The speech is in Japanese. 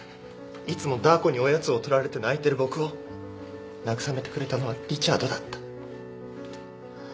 いつもダー子におやつを取られて泣いてる僕を慰めてくれたのはリチャードだった。